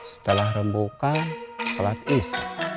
setelah rembukan sholat is